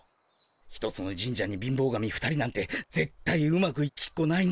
１つの神社に貧乏神２人なんてぜっ対うまくいきっこないんだから。